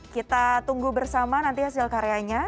kita tunggu bersama nanti hasil karyanya